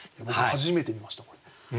初めて見ましたこれ。